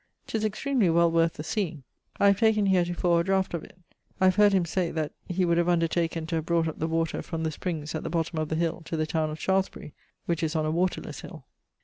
'Tis extremely well worth the seeing. I have taken heretofore a draught of it. I have heard him say that he would have undertaken to have brought up the water from the springs at the bottom of the hill to the towne of Shaftesbury, which is on a waterles hill.